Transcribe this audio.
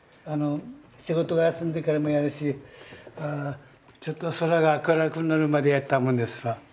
仕事が休んでからもやるしちょっと空が明るくなるまでやったもんですわ。